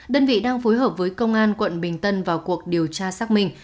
đơn vị đang phối hợp với công an quận bình tân vào cuộc điều tra xác minh